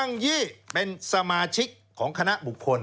ยี่เป็นสมาชิกของคณะบุคคล